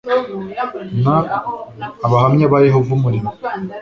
n abahamya ba yehova umurimo